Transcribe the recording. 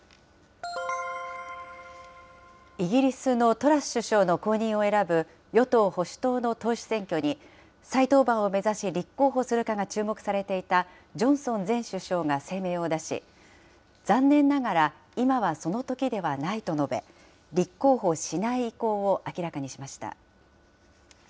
イギリスのトラス首相の後任を選ぶ与党・保守党の党首選挙に再登板を目指し立候補するかが注目されていたジョンソン前首相が声明を出し、残念ながら、今はそのときではないと述べ、立候補しない意向を明らかにしました。